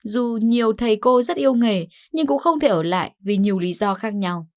dù nhiều thầy cô rất yêu nghề nhưng cũng không thể ở lại vì nhiều lý do khác nhau